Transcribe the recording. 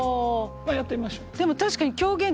まあやってみましょう。